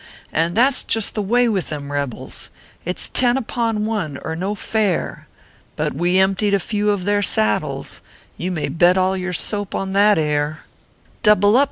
And that s just the way with them rebels, It s ten upon one, or no fair; But we emptied a few of their saddles You may bet all your soap on that air I ORPHEUS C. KERU TAPERS. 81 "Double up!"